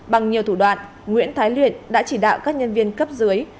bằng nhiều thủ đoạn nguyễn thái luyện đã chỉ đạo các nhân viên cấp dưới